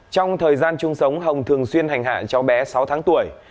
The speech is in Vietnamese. trong thời gian chung sống hồng thường xuyên hành hạ cháu bé sáu tháng tuổi